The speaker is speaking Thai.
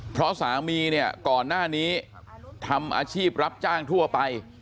เพราะสามีเนี่ยก่อนหน้านี้ทำอาชีพรับจ้างทั่วไป